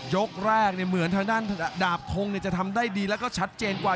ยกแรกเหมือนทางด้านดาบทงจะทำได้ดีแล้วก็ชัดเจนกว่า